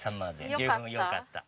十分よかった。